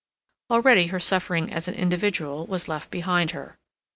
Already her suffering as an individual was left behind her.